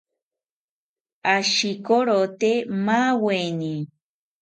Ashikorote maaweni